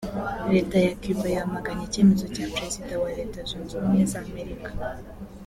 Leta ya Cuba yamaganye icyemezo cya Perezida wa Leta zunze ubumwe za Amerika